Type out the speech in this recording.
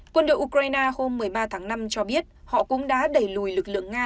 quân đội ukraine hôm một mươi ba tháng năm cho biết họ cũng đã đẩy lùi lực lượng nga